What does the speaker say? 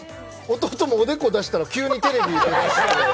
弟もおデコ出したら、急にテレビ出だして。